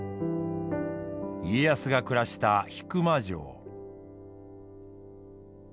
家康が暮らした引間城。